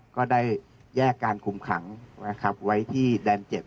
ก็ได้แยกการคุมขังนะครับไว้ที่แดน๗